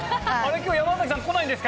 きょう山崎さん来ないんですか？